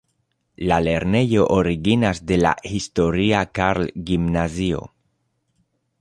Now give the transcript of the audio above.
La lernejo originas de la historia Karl-gimnazio.